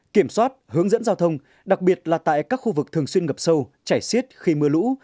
kiểm soát hướng dẫn giao thông đặc biệt là tại các khu vực thường xuyên ngập sâu chảy xiết khi mưa lũ